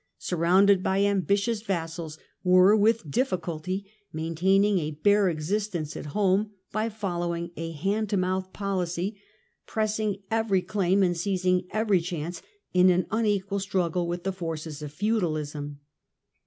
surrounded by ambitious vassals, were with difficulty maintaining a bare existence at home by following a hand to mouth policy, pressing every claim and seizing every chance in an unequal struggle ith the forces of feudalism.